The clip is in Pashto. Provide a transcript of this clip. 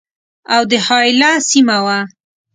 اَوَد حایله سیمه وه.